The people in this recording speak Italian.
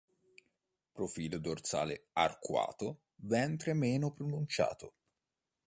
Profilo dorsale arcuato, ventre meno pronunciato.